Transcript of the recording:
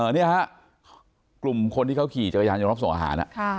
นี่ฮะกลุ่มคนที่เขาขี่จักรยานยนต์รับส่งอาหาร